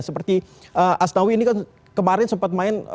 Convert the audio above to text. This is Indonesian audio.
seperti asnawi ini kan kemarin sempat main